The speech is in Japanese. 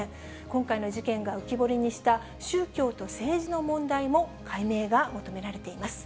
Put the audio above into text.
今回の事件が浮き彫りにした、宗教と政治の問題も、解明が求められています。